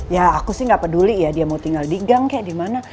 ya aku sih gak peduli ya dia mau tinggal di gang kayak di mana